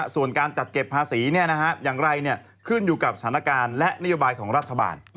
ส่วนการจัดเก็บภาษีอย่างไรขึ้นอยู่กับสถานการณ์และนโยบายของรัฐบาล